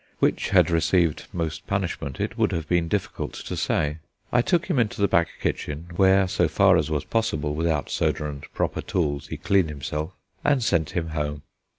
Which had received most punishment it would have been difficult to say. I took him into the back kitchen, where, so far as was possible without soda and proper tools, he cleaned himself, and sent him home.